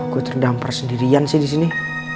gue terdampar sendirian sih disini